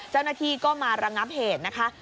เจ้าหน้าที่ก็มาระงับเหตุนะคะ